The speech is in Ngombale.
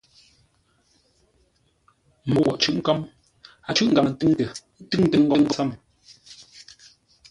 Môu woghʼ cʉ̂ʼ kə̌m, a cʉ̂ʼ ngaŋə ntúŋtə, túŋtə́ ngoŋ tsəm.